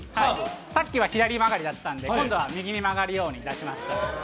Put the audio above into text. さっきは左曲がりだったんで今度は右に曲がるように出しました。